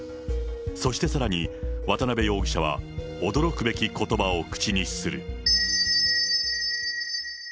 そしてさらに、渡辺容疑者は驚くべきことばを口にする。